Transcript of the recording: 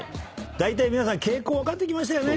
だいたい皆さん傾向分かってきましたよね。